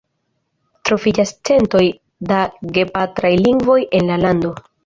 Troviĝas centoj da gepatraj lingvoj en la lando.